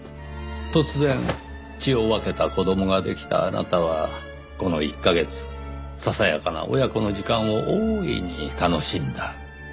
突然血を分けた子供ができたあなたはこの１カ月ささやかな親子の時間を大いに楽しんだ。